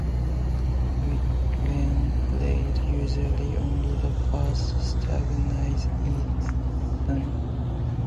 When played, usually only the first stanza is sung.